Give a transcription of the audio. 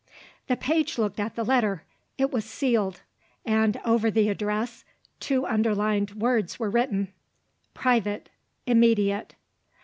The page looked at the letter. It was sealed; and, over the address, two underlined words were written: "Private. Immediate."